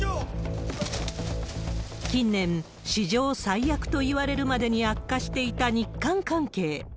近年、史上最悪といわれるまでに悪化していた日韓関係。